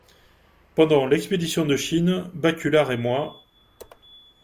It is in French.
Pendant l’expédition de Chine, Baculard et moi…